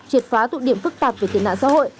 triệt phá tụ điểm phức tạp về tiền nạn xã hội